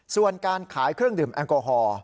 ส่วนการขายเครื่องดื่มแอลกอฮอล์